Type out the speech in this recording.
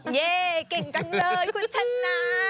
เย่เก่งจังเลยคุณชนะ